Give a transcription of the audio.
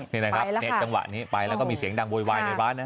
นี่นะครับไปแล้วค่ะในจังหวะนี้ไปแล้วก็มีเสียงดังโวยวายในร้านน่ะ